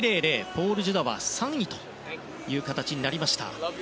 ポール・ジュダは３位となりました。